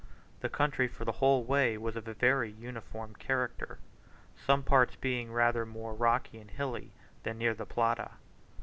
The country for the whole way was of a very uniform character, some parts being rather more rocky and hilly than near the Plata.